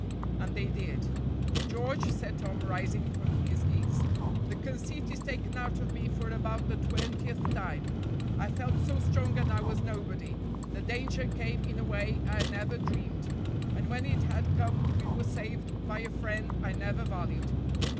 And they did. "George," said Tom, rising from his knees, "the conceit is taken out of me for about the twentieth time; I felt so strong and I was nobody. The danger came in a way I never dreamed, and when it had come we were saved by a friend I never valued.